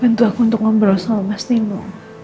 bantu aku untuk ngobrol sama mas timo